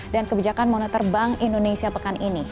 dan kebijakan monitor bank indonesia pekan ini